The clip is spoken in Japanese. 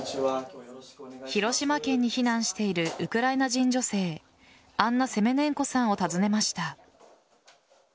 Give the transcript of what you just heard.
広島県に避難しているウクライナ人女性アンナ・セメネンコさんを訪ねました。